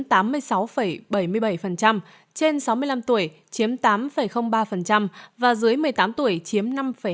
trên sáu mươi năm tuổi chiếm tám ba và dưới một mươi tám tuổi chiếm năm hai mươi